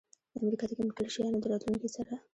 د امریکا د کمپیوټري شیانو د راتلونکي سره